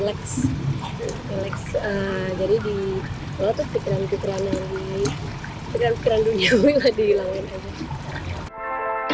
relax jadi kalau pikiran pikiran dunia gue lah dihilangkan aja